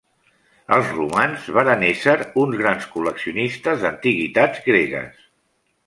Els romans varen ésser uns grans col·leccionistes d'antiguitats gregues.